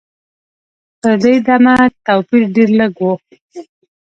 تر دې دمه توپیر ډېر لږ و.